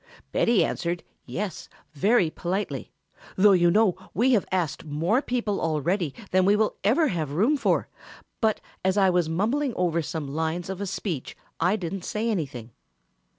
Betty answered, 'Yes' very politely, though you know we have asked more people already than we will ever have room for, but as I was mumbling over some lines of a speech I didn't say anything.